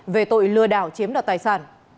về tội lừa đảo chiếm đoạt tài sản